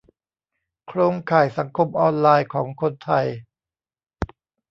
โครงข่ายสังคมออนไลน์ของคนไทย